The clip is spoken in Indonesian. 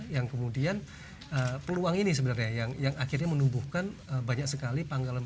yang kemudian peluang ini sebenarnya yang akhirnya menumbuhkan banyak sekali panggalan